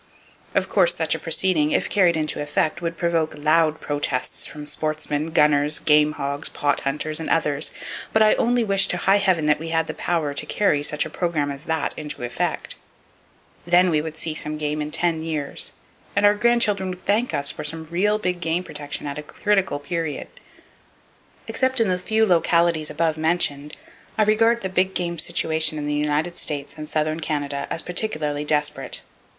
Of course such a proceeding, if carried into effect, would provoke loud protests from sportsmen, gunners, game hogs, pot hunters and others; but I only wish to high heaven that we had the power to carry such a program as that into effect! Then we would see some game in ten years; and our grand children would thank us for some real big game protection at a critical period. Except in the few localities above mentioned, I regard the big game situation in the United States and southern Canada as particularly desperate.